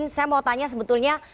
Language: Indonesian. saya mau tanya sebetulnya